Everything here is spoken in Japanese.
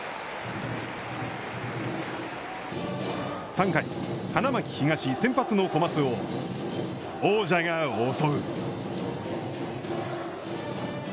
３回、花巻東、先発の小松を王者が襲う。